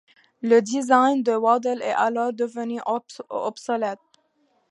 Le design de Waddle est alors devenu obsolète.